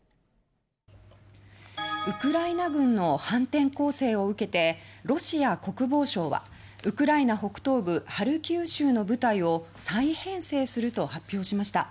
ウクライナ軍の反転攻勢を受けてロシア国防省はウクライナ北東部ハルキウ州の部隊を再編成すると発表しました。